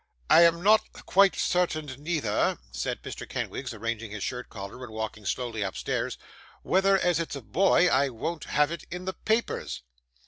'I'm not quite certain neither,' said Mr. Kenwigs, arranging his shirt collar, and walking slowly upstairs, 'whether, as it's a boy, I won't have it in the papers.